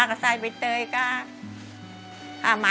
อันดับนี้เป็นแบบนี้